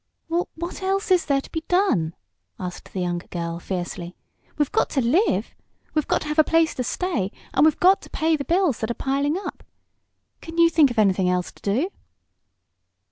"Well, what else is there to be done?" asked the younger girl, fiercely. "We've got to live. We've got to have a place to stay, and we've got to pay the bills that are piling up. Can you think of anything else to do?"